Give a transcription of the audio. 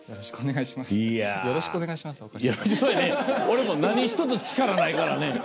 俺も何一つ力ないからね。